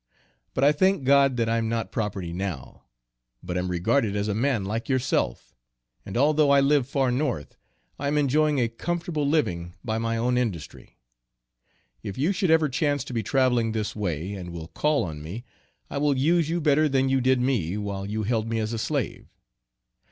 But I thank God that I am not property now, but am regarded as a man like yourself, and although I live far north, I am enjoying a comfortable living by my own industry. If you should ever chance to be traveling this way, and will call on me, I will use you better than you did me while you held me as a slave.